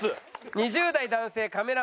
２０代男性カメラマン